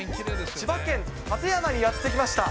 千葉県館山にやって来ました。